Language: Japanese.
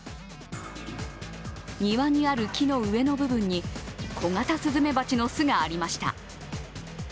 庭にある木の上の部分にコガタスズメバチの巣がありました。